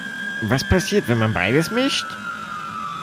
Was passiert, wenn man beides mischt?